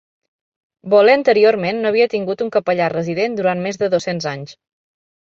Bole anteriorment no havia tingut un capellà resident durant més de dos-cents anys.